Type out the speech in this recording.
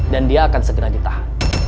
dan dia akan segera ditahan